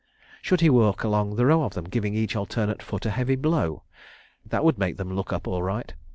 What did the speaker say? ... Should he walk along the row of them, giving each alternate foot a heavy blow? That would make them look up all right.